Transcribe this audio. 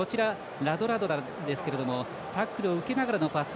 ラドラドラですけれどもタックルを受けながらのパス